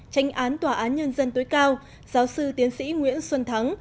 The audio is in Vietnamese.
tranh án tòa án nhân dân tối cao giáo sư tiến sĩ nguyễn xuân thắng